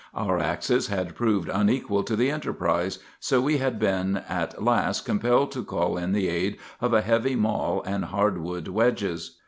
Our axes had proved unequal to the enterprise, so we had been at last compelled to call in the aid of a heavy mall and hardwood wedges.